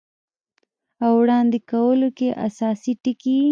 او وړاندې کولو چې اساسي ټکي یې